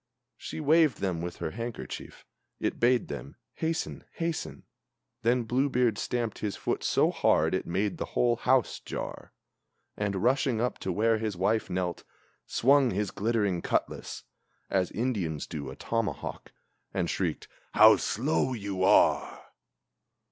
She waved them with her handkerchief; it bade them, "hasten, hasten!" Then Blue beard stamped his foot so hard it made the whole house jar; And, rushing up to where his wife knelt, swung his glittering cutlass, As Indians do a tomahawk, and shrieked: "How slow you are!"